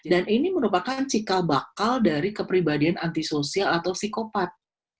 dan ini merupakan cikal bakal dari kepribadian antisosial atau psikopat